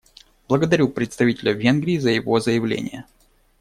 Благодарю представителя Венгрии за его заявление.